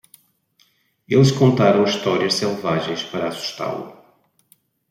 Eles contaram histórias selvagens para assustá-lo.